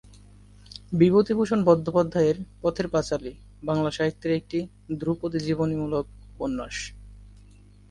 বিভূতিভূষণ বন্দ্যোপাধ্যায়ের "পথের পাঁচালী" বাংলা সাহিত্যের একটি ধ্রুপদী জীবনীমূলক উপন্যাস।